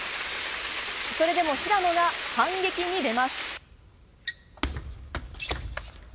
それでも、平野が反撃に出ます。